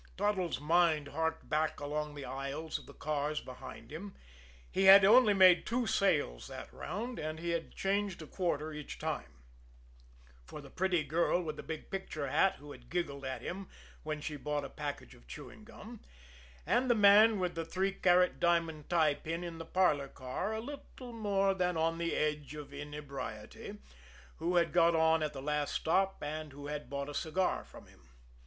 Toddles' mind harked back along the aisles of the cars behind him. He had only made two sales that round, and he had changed a quarter each time for the pretty girl with the big picture hat, who had giggled at him when she bought a package of chewing gum; and the man with the three carat diamond tie pin in the parlor car, a little more than on the edge of inebriety, who had got on at the last stop, and who had bought a cigar from him.